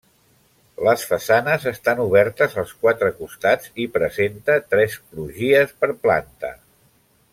Les façanes estan obertes als quatre costats i presenta tres crugies per planta.